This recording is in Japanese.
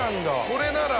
これなら。